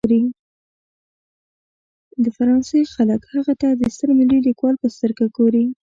د فرانسې خلک هغه ته د ستر ملي لیکوال په سترګه ګوري.